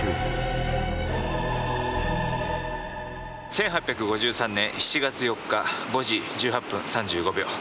１８５３年７月４日５時１８分３５秒。